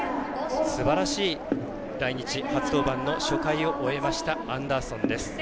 すばらしい来日初登板の初回を終えましたアンダーソンです。